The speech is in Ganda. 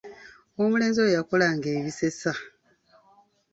Omulenzi oyo yakolanga ebisesa!